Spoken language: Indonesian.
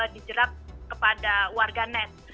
dijerat kepada warga net